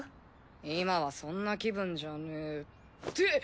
今はそんな気分じゃねえって。